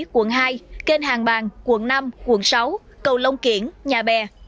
quận hai kênh hàng bàn quận năm quận sáu cầu long kiển nhà bè